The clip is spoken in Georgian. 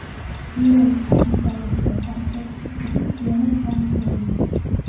ჩრდილოეთი, აღმოსავლეთი და სამხრეთი კედლები მთლიანად ჩამონგრეულია.